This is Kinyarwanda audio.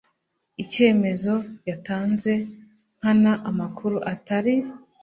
icyemezo yatanze nkana amakuru atari